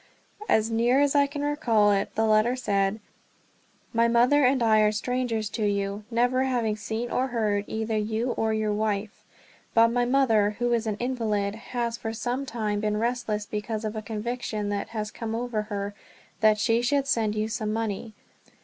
As near as I can recall it the letter said: "My mother and I are strangers to you, never having seen or heard either you or your wife. But my mother, who is an invalid, has for some time been restless because of a conviction that has come over her that she should send you some money.